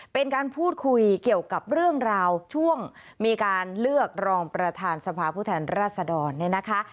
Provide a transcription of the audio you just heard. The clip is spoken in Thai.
เป็นการพูดคุยเกี่ยวกับเรื่องราวช่วงมีการเลือกรองประธานสภาผู้แทนรัศดรเนี่ยนะคะ